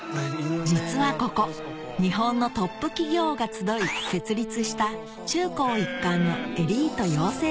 実はここ日本のトップ企業が集い設立した中高一貫のエリート養成